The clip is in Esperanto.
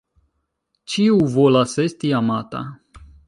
Ĉiu volas esti amata.